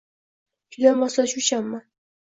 Juda moslashuvchanman.